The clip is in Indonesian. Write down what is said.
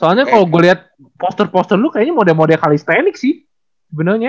soalnya kalau gue liat poster poster lu kayaknya mode mode kalisthenik sih beneran ya